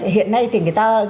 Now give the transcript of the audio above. hiện nay thì người ta